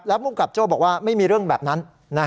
ภูมิกับโจ้บอกว่าไม่มีเรื่องแบบนั้น